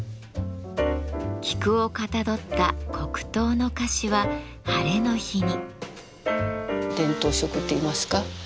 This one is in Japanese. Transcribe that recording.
菊をかたどった黒糖の菓子はハレの日に。